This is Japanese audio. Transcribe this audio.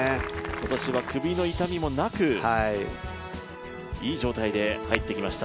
今年は首の痛みもなく、いい状態で入ってきました。